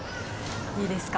いいですか？